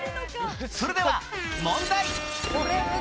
それでは問題！